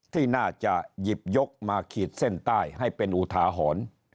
ที่น่าจะหยิบยกมาขีดเส้นใต้ให้เป็นอุทาหรณ์